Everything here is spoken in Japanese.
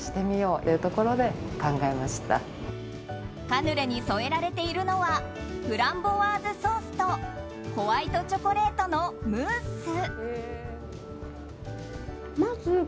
カヌレに添えられているのはフランボワーズソースとホワイトチョコレートのムース。